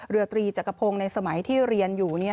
เรือตรีจักรพงศ์ในสมัยที่เรียนอยู่